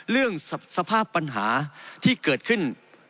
เรื่องสภาพปัญหาที่เกิดขึ้น